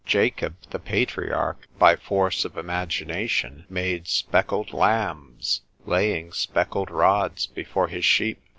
Jacob the patriarch, by force of imagination, made speckled lambs, laying speckled rods before his sheep.